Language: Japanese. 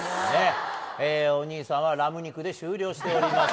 お兄さんはラム肉で終了しております。